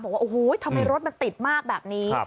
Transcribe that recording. บอกว่าโอ้โหทำไมรถมันติดมากแบบนี้